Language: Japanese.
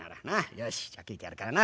よしじゃあ書えてやるからな。